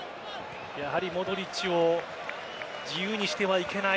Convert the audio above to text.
やはりモドリッチを自由にしてはいけない。